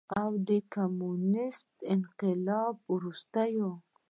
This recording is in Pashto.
او د کميونسټ انقلاب نه وروستو